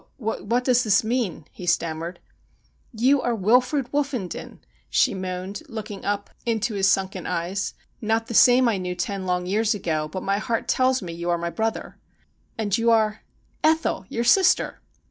' What does this mean ?' he stammered. ' You are Wilfrid Woofenden,' she moaned, looking up into 12 n6 STORIES WEIRD AND WONDERFUL his sunken eyes. ' Not the same I knew ten long years ago, but my heart tells me you are my brother.' ' And you are ?'' Ethel, your sister.'